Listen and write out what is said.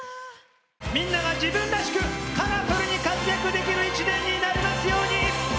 みんなが自分らしくカラフルに活躍できる１年になりますように。